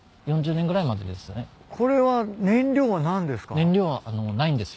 これは燃料は何ですか？